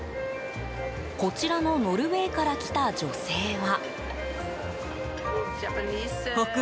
こちらのノルウェーから来た女性は。